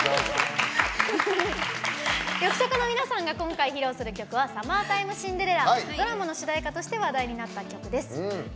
リョクシャカの皆さんが今回、披露する曲は「サマータイムシンデレラ」ドラマの主題歌として話題になった曲です。